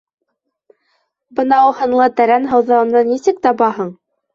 Бынау һынлы тәрән һыуҙа уны нисек табаһың?!